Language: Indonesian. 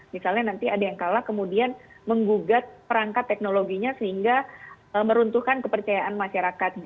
misalnya nanti ada yang kalah kemudian menggugat perangkat teknologinya sehingga meruntuhkan kepercayaan masyarakat